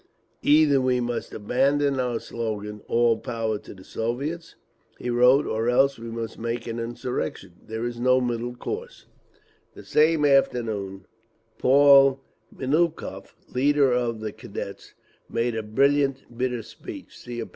"Either we must abandon our slogan, 'All Power to the Soviets,'" he wrote, "or else we must make an insurrection. There is no middle course…." That same afternoon Paul Miliukov, leader of the Cadets, made a brilliant, bitter speech (See App.